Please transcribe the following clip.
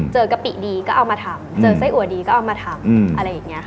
กะปิดีก็เอามาทำเจอไส้อัวดีก็เอามาทำอะไรอย่างนี้ค่ะ